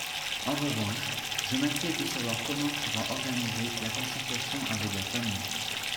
En revanche, je m’inquiète de savoir comment sera organisée la concertation avec la famille.